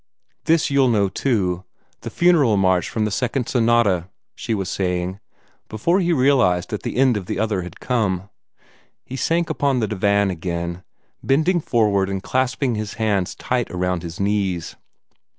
"This you'll know too the funeral march from the Second Sonata," she was saying, before he realized that the end of the other had come. He sank upon the divan again, bending forward and clasping his hands tight around his knees.